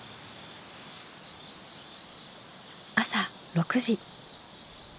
朝６時。